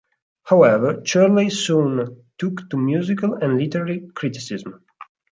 However, Chorley soon took to musical and literary criticism.